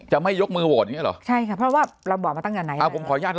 จะไม่ยกมือโหวตอย่างงี้เหรอใช่ค่ะเพราะว่าเราบอกมาตั้งเฉพาะไหนอะผมขออนุญาต